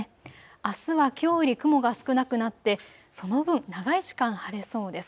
あすはきょうより雲が少なくなってその分、長い時間、晴れそうです。